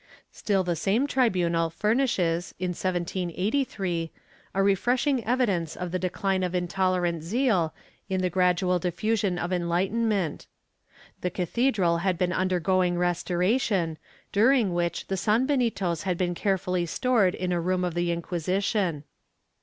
Still the same tribunal furnishes, in 1783, a refreshing evidence of the decline of intolerant zeal in the gradual diffusion of enlighten ment. The cathedral had been undergoing restoration, during which the sanbenitos had been carefully stored in a room of the Inquisition.